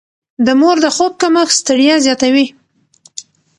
د مور د خوب کمښت ستړيا زياتوي.